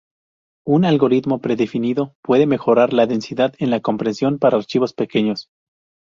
Un algoritmo predefinido puede mejorar la densidad en la compresión para archivos pequeños.